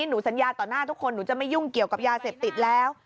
หนูสัญญาต่อหน้าทุกคนหนูจะไม่ยุ่งเกี่ยวกับยาเสพติดแล้ว